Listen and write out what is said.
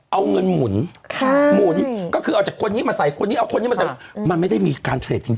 เอาเงินหมุนหมุนก็คือเอาจากคนนี้มาใส่คนนี้เอาคนนี้มาใส่มันไม่ได้มีการเทรดจริง